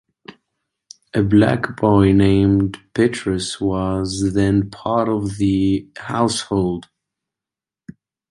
A black boy named Petrus was then part of the household.